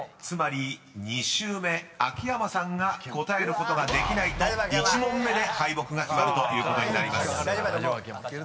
［つまり２周目秋山さんが答えることができないと１問目で敗北が決まるということになります］